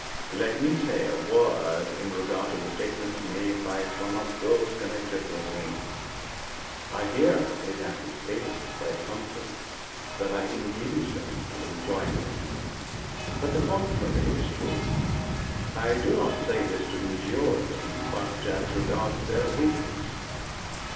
"Let me say a word in regard to the statements made by some of those connected with me. I hear it has been stated by some of them that I induced them to join me. But the contrary is true. I do not say this to injure them, but as regards their weakness.